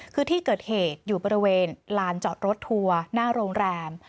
คือที่เกิดเหตุอยู่บริเวณลานจอดรถทัวร์หน้าโรงแรม